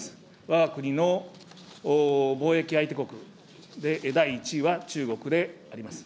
わが国の貿易相手国で、第１位は中国であります。